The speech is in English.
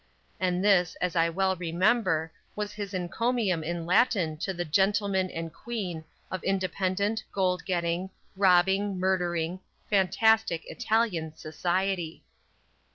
And this, as I well remember, was his encomium in Latin to the "Gentlemen" and "Queen" of independent, gold getting, robbing, murdering, fantastic Italian "society."